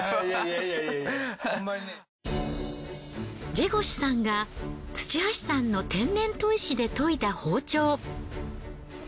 ジェゴシュさんが土橋さんの天然砥石で研いだ包丁。